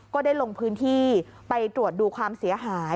ก็ได้ลงพื้นที่ไปตรวจดูความเสียหาย